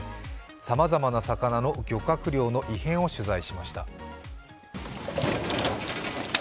さまざまな魚の漁獲量の異変を取材しました。